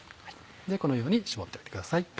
このように絞っておいてください。